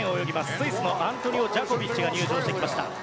スイスのアントニオ・ジャコビッチが入場してきました。